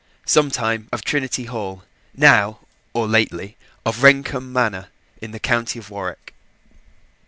some time of Trinity Hall, now, or lately, of Rendcomb Manor in the county of Warwick.